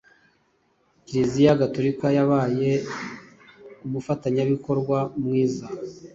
Kiriziya Gatorika yabaye umufatanyabikorwa mwiza